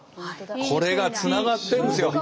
これがつながってんすよ。